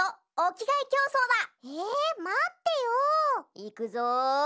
いくぞ！